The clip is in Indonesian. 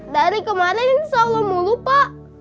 dari kemarin insya allah mau lupa